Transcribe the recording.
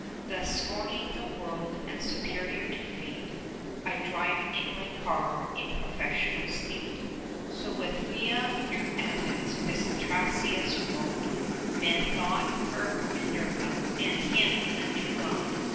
10 Thus scorning the world, and superior to fate, I drive in my car in professional state. So with Phia through Athens Pisistratus rode; Men thought her Minerva, and him a new god.